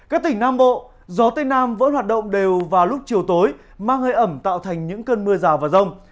các tỉnh nam bộ gió tây nam vẫn hoạt động đều vào lúc chiều tối mang hơi ẩm tạo thành những cơn mưa rào và rông